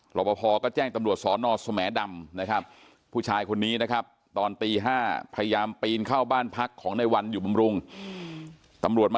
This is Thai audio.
หลักประพอบ์ก็แจ้งตำรวจสนสมดำนะครับ